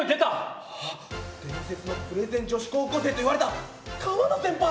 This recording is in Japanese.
伝説のプレゼン女子高校生といわれた河野先輩！